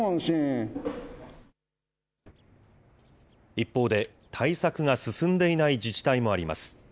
一方で、対策が進んでいない自治体もあります。